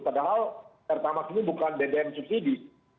padahal pertamax ini bukan bbm subsidi